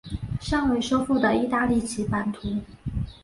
尚未收复的意大利其版图。